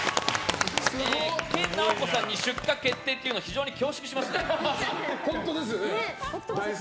研ナオコさんに出荷決定って言うのは非常に恐縮しました。